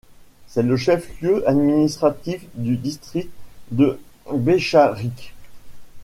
C'est le chef-lieu administratif du district de Becharyk.